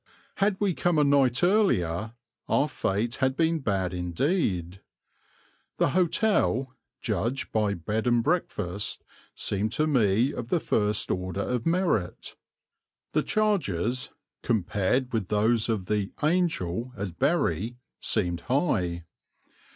Had we come a night earlier our fate had been bad indeed. The hotel, judged by bed and breakfast, seemed to me of the first order of merit. The charges, compared with those of the "Angel" at Bury, seemed high.